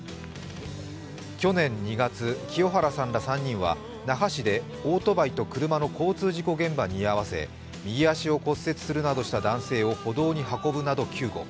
去年２月、清原さんら３人は那覇市でオートバイと車の交通事故現場に居合わせ、右足を骨折するなどした男性を歩道に運ぶなど救護。